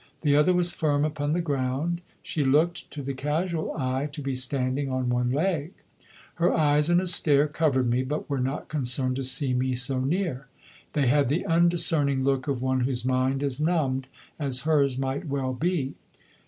The other was firm upon the ground: she looked, to the casual eye, to be standing on one leg. Her eyes in a stare covered me, but were not concerned to see me so near. They had the undiscerning look of one whose mind is numbed, as hers might well be.